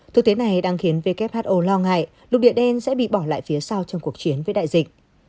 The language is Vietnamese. thực tế này đang khiến who lo ngại lục địa đen sẽ bị bỏ lại phía sau trong cuộc chiến với đại dịch